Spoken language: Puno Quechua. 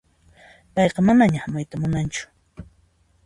Payqa manaña hamuyta munanchu.